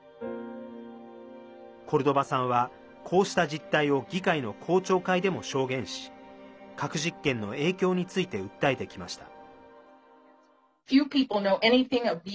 コルドバさんは、こうした実態を議会の公聴会でも証言し核実験の影響について訴えてきました。